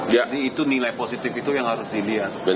jadi itu nilai positif itu yang harus dilihat